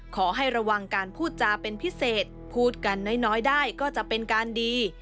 ขอให้ระวังการพูดจาเป็นพิเศษพูดกันน้อยได้ก็จะเป็นการดี